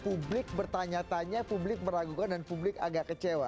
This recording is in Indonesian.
publik bertanya tanya publik meragukan dan publik agak kecewa